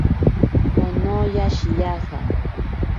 Konoya shiyaja.